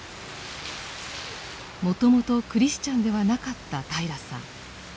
もともとクリスチャンではなかった平良さん。